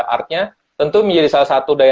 artinya tentu menjadi salah satu daya